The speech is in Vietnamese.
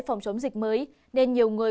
phòng chống dịch mới nên nhiều người